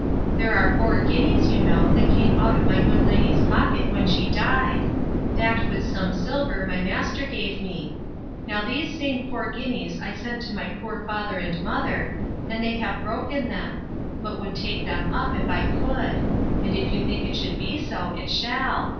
There are four guineas, you know, that came out of my good lady's pocket, when she died; that, with some silver, my master gave me: Now these same four guineas I sent to my poor father and mother, and they have broken them; but would make them up, if I would: and if you think it should be so, it shall.